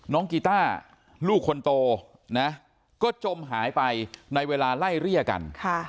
กีต้าลูกคนโตนะก็จมหายไปในเวลาไล่เรียกกัน